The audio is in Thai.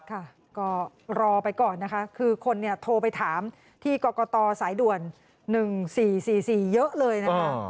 ค่ะก็รอไปก่อนนะคะคือคนโทรไปถามที่กรกตสายด่วน๑๔๔๔เยอะเลยนะคะ